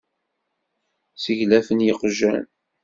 Seglafen yeqjan.